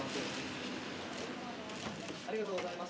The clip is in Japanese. ありがとうございます。